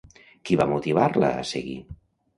Qui va motivar-la a seguir?